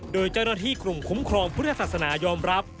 โดยเจ้าหน้าที่กลุ่มคุ้มครองพุทธศาสนายอมรับ